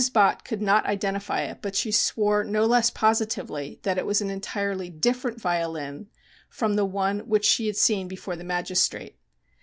Bott could not identify it, but she swore no less positively that it was an entirely different violin from the one which she had seen before the magistrate.